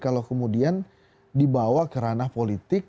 kalau kemudian dibawa ke ranah politik